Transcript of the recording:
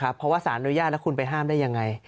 เพราะว่าสารอนุญาตแล้วคุณไปห้ามได้ยังไง